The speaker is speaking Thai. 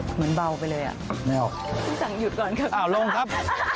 เหมือนเบาไปเลยอ่ะพี่สั่งหยุดก่อนค่ะอ่าวลงครับ